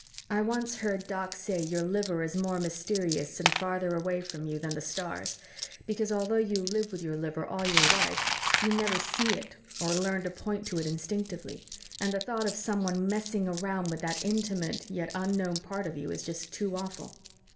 I once heard Doc say your liver is more mysterious and farther away from you than the stars, because although you live with your liver all your life, you never see it or learn to point to it instinctively, and the thought of someone messing around with that intimate yet unknown part of you is just too awful.